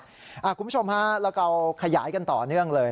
คุณผู้ชมฮะแล้วก็ขยายกันต่อเนื่องเลย